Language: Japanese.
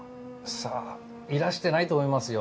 さあいらしてないと思いますよ。